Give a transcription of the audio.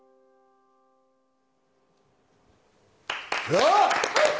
よっ！